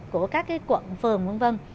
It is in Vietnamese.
của các quận phường v v